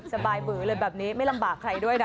สบายเบื่อเลยแบบนี้ไม่ลำบากใครด้วยนะ